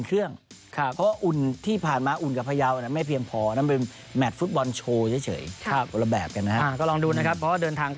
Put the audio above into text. เพราะว่าเวลาเตรียมทีมอาจจะน้อยซะนิดนึง